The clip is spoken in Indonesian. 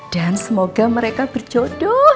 dan semoga mereka berjodoh